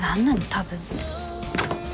多分って。